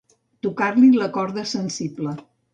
Tocar-li la corda sensible.